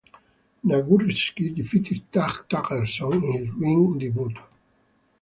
Nagurski defeated Tag Tagerson in his ring debut.